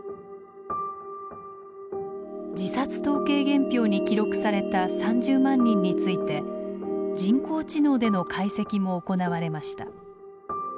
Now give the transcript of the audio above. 自殺統計原票に記録された３０万人について人工知能での解析も行われました。